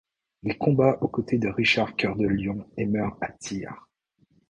Il combat au côté de Richard Cœur de Lion et meurt à Tyr.